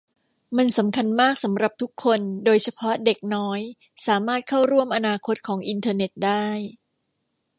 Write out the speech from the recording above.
มันสำคัญมากสำหรับทุกคนโดยเฉพาะเด็กน้อยสามารถเข้าร่วมอนาคตของอินเทอร์เน็ตได้